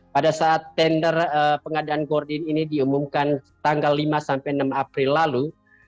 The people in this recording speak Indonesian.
pada saat tender pengadaan gordin ini diumumkan tanggal lima sampai enam april lalu